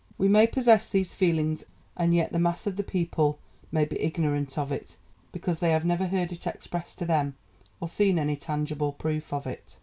We may possess these feelings, and yet the mass of the people may be ignorant of it, because they have never heard it expressed to them, or seen any tangible proof of it."